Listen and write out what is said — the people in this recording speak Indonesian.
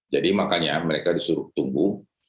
jadi makanya mereka disuruh tunggu